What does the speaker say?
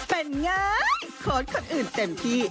เป็นไงโค้ดคนอื่นเต็มที่